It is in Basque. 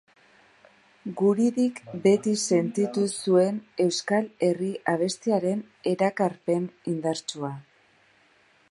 Guridik beti sentitu zuen euskal herri abestiaren erakarpen indartsua.